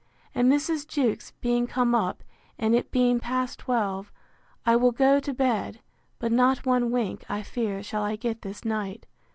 And Mrs. Jewkes being come up, and it being past twelve, I will go to bed; but not one wink, I fear, shall I get this night.